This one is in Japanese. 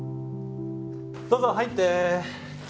どうぞ入って。